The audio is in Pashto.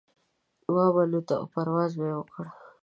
وابه لوته او پرواز به يې وکړ.